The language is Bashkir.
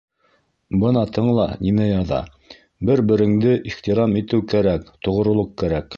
Бына тыңла, нимә яҙа: «Бер-береңде ихтирам итеү кәрәк, тоғролоҡ кәрәк...»